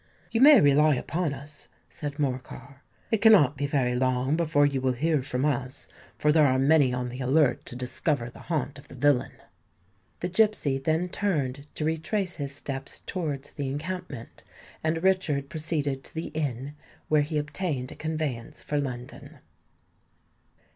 "You may rely upon us," said Morcar: "it cannot be very long before you will hear from us, for there are many on the alert to discover the haunt of the villain." The gipsy then turned to retrace his steps towards the encampment; and Richard proceeded to the inn, where he obtained a conveyance for London.